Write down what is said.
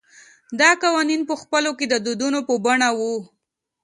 دا قوانین په پیل کې د دودونو په بڼه وو